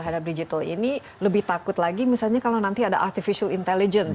terhadap digital ini lebih takut lagi misalnya kalau nanti ada artificial intelligence